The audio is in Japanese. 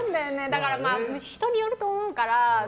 だから、人によると思うから。